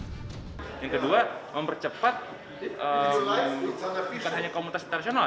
yang kedua mempercepat bukan hanya komunitas internasional